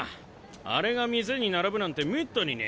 あれが店に並ぶなんてめったにねえよ。